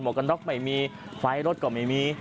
กันน็อกไม่มีไฟรถก็ไม่มี